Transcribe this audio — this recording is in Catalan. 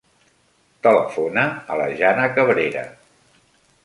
Telefona a la Jana Cabrera.